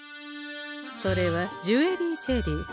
それはジュエリージェリー。